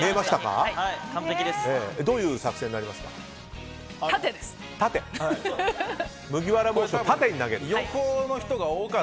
どういう作戦になりましたか？